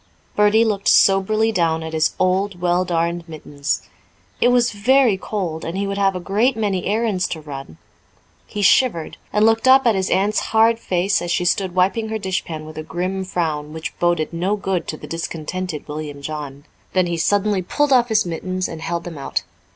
Bertie looked soberly down at his old, well darned mittens. It was very cold, and he would have a great many errands to run. He shivered, and looked up at his aunt's hard face as she stood wiping her dish pan with a grim frown which boded no good to the discontented William John. Then he suddenly pulled off his mittens and held them out.